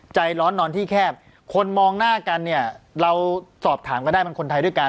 ใจร้อนนอนที่แคบคนมองหน้ากันเนี่ยเราสอบถามก็ได้มันคนไทยด้วยกัน